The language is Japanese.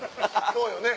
そうよね